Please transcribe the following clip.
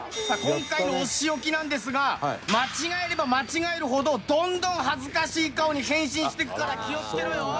さあ今回のお仕置きなんですが間違えれば間違えるほどどんどん恥ずかしい顔に変身していくから気を付けろよ。